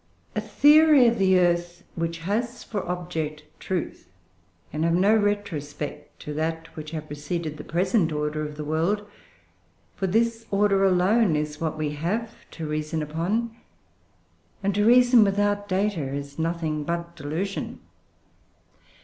] And again: "A theory of the earth, which has for object truth, can have no retrospect to that which had preceded the present order of the world; for this order alone is what we have to reason upon; and to reason without data is nothing but delusion.